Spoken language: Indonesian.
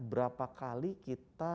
berapa kali kita